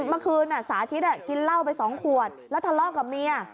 เมื่อคืนสาธิตกินเหล้าไป๒ขวดแล้วทะเลาะกับเมีย